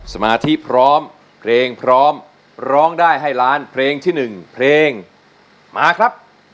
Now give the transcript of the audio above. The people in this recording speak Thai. สมาธิพร้อมเพลงพร้อมร้องได้ให้ล้านเพลงที่๑เพลงมาครับ